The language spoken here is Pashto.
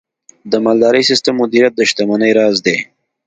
د مالدارۍ سم مدیریت د شتمنۍ راز دی.